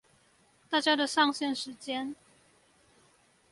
大家的上線時間